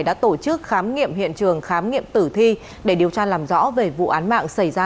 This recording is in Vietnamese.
đã tổ chức khám nghiệm hiện trường khám nghiệm tử thi để điều tra làm rõ về vụ án mạng xảy ra